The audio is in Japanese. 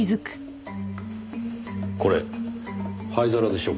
これ灰皿でしょうかね？